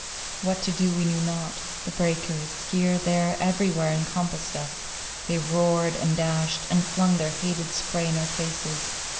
What to do we knew not —the breakers here, there, everywhere, encompassed us—they roared, and dashed, and flung their hated spray in our faces.